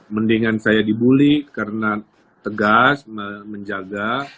mendingan saya dibully karena tegas menjaga